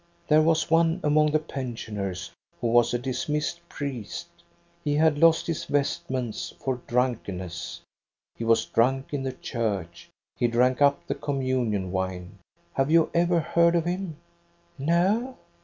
There was one among the pensioners who was a dismissed priest; he had lost his vestments for drunkenness. He was drunk in the church. He drank up the communion wine. Have you ever heard of him.^" " No.